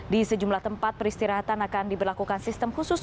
di sejumlah tempat peristirahatan akan diberlakukan sistem khusus